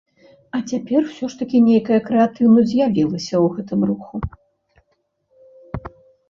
А цяпер усё ж такі нейкая крэатыўнасць з'явілася ў гэтым руху.